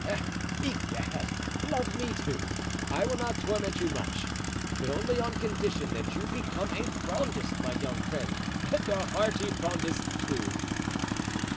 "Eh! Egad! love me too; I will not torment you much, but only on condition that you become a Frondist, my young friend, and a hearty Frondist, too."